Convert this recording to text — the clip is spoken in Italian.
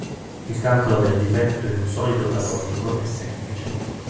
Il calcolo del difetto in un solido platonico è semplice.